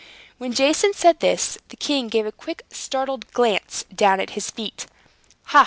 When Jason said this, the king gave a quick startled glance down at his feet. "Ha!"